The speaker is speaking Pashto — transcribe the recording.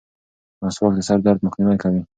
مسواک د سر درد مخنیوی کوي.